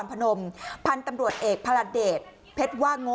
ทีนี้เรื่องราวที่เกิดขึ้นเราไปถามรองผู้การจังหวัดนครพนม